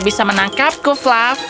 kau akan menangkapku fluff